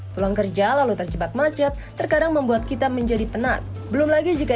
pulang kerja lalu terjebak macet terkadang membuat kita menjadi penat belum lagi jika